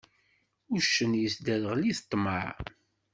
Uccen, yesderγel-it ṭṭmeε.